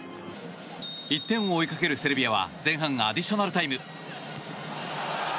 １点を追いかけるセルビアは前半アディショナルタイム。